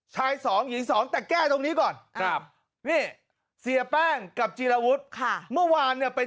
ใช้สองหญิงสองแต่แก้ด้วยตี่แป้งจอจะพูดค่ะเมื่อว่าเนี้ยเป็น